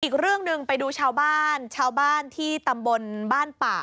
อีกเรื่องหนึ่งไปดูชาวบ้านชาวบ้านที่ตำบลบ้านป่า